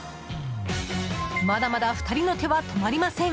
まだまだ２人の手は止まりません。